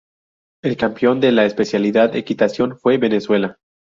El campeón de la especialidad Equitación fue Venezuela.